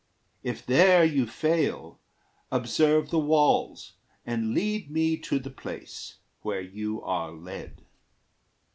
If there you fail, Observe the walls and lead me to the place, Where you are led.